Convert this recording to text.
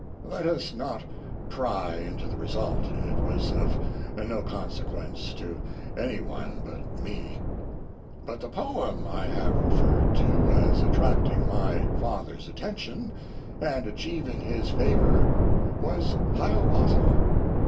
Let us not pry into the result; it was of no con sequence to any one but me. "But the poem I have referred to as attracting my father s attention, and achieving his favor was Hiawatha.